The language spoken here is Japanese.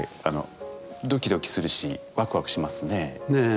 ドキドキするしワクワクしますねえ。